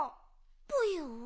ぽよ？